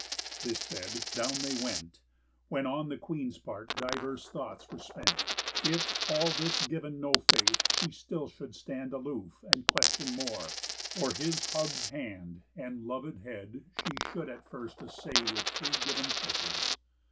This said, down they went; When, on the Queen's part, divers thoughts were spent, If, all this giv'n no faith, she still should stand Aloof, and question more; or his hugg'd hand And lovéd head she should at first assay With free giv'n kisses.